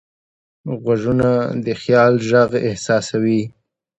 غوږونه د خیال غږ احساسوي